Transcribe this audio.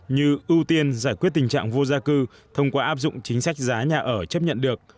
như ưu tiên giải quyết tình trạng vô gia cư thông qua áp dụng chính sách giá nhà ở chấp nhận được